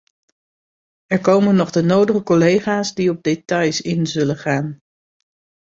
Er komen nog de nodige collega's die op details in zullen gaan.